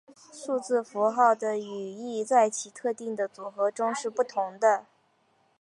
数字符号的语义在其特定的组合中是不同的。